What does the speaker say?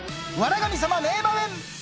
神様名場面。